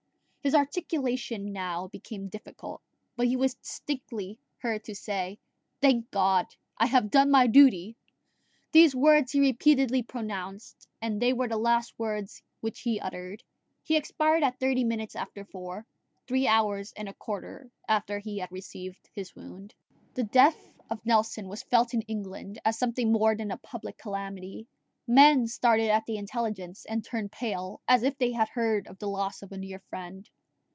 His articulation now became difficult, but he was distinctly heard to say, "Thank God, I have done my duty!" These words he repeatedly pronounced, and they were the last words which he uttered. He expired at thirty minutes after four, three hours and a quarter after he had received his wound. The death of Nelson was felt in England as something more than a public calamity: men started at the intelligence and turned pale, as if they had heard of the loss of a near friend.